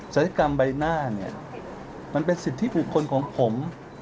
กรรมใบหน้าเนี่ยมันเป็นสิทธิบุคคลของผม